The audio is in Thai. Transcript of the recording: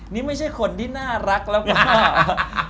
นี่ไม่ใช่คนที่น่ารักแล้วก็มาก